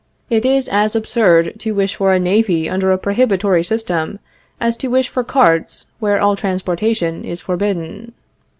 It is as absurd to wish for a navy under a prohibitory system as to wish for carts where all transportation is forbidden.